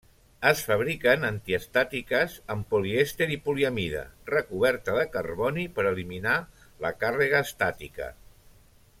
Es fabriquen antiestàtiques amb polièster i poliamida, recoberta de carboni per eliminar la càrrega estàtica.